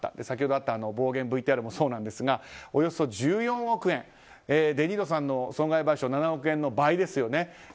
先ほどの暴言ＶＴＲもそうですがおよそ１４億円デ・ニーロさんの損害賠償７億円の倍ですよね。